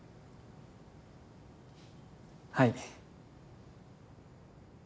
はい。